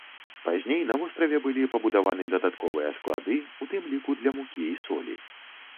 Пазней на востраве былі пабудаваны дадатковыя склады, у тым ліку для мукі і солі.